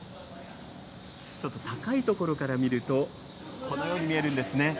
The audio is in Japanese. ちょっと高い所から見ると、このように見えるんですね。